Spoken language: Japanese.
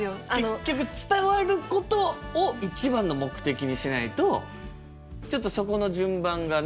結局伝わることを一番の目的にしないとちょっとそこの順番がね